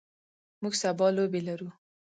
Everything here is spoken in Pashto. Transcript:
موږ سبا لوبې لرو.